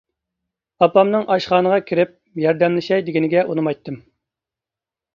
ئاپامنىڭ ئاشخانىغا كىرىپ ياردەملىشەي دېگىنىگە ئۇنىمايتتىم.